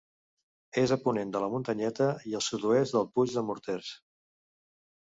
És a ponent de la Muntanyeta i al sud-oest del Puig de Morters.